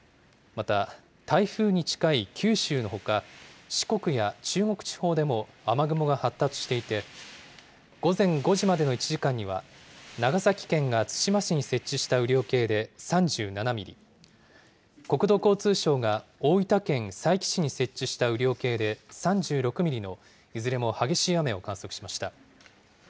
また、台風に近い九州のほか、四国や中国地方でも雨雲が発達していて、午前５時までの１時間には、長崎県が対馬市に設置した雨量計で３７ミリ、国土交通省が大分県佐伯市に設置した雨量計で３６ミリのいずれも激しい雨を観測しました。